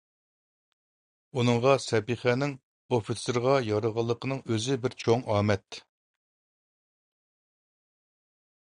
ئۇنىڭغا سەبىخەنىڭ ئوفىتسېرغا يارىغانلىقىنىڭ ئۆزى بىر چوڭ ئامەت.